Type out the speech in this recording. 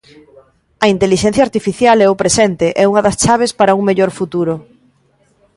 A intelixencia artificial é o presente e unha das chaves para un mellor futuro.